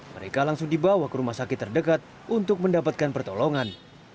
mereka langsung dibawa ke rumah sakit terdekat untuk mendapatkan pertolongan